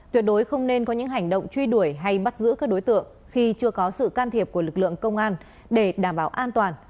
tuyệt đối không nên có những hành động truy đuổi hay bắt giữ các đối tượng khi chưa có sự can thiệp của lực lượng công an để đảm bảo an toàn